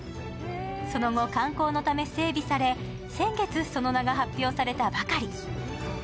その後、観光のため整備され、先月その名が発表されたばかり。